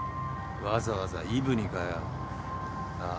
わざわざイブにかよ。